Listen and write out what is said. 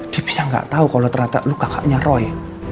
dia bisa gak tau kalau ternyata lu kakaknya roy